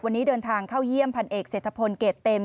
วันนี้เดินทางเข้าเยี่ยมพันเอกเศรษฐพลเกรดเต็ม